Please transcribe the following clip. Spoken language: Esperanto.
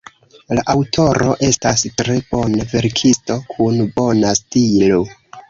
La aŭtoro estas tre bona verkisto, kun bona stilo.